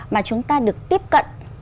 mà chúng ta được tiếp cận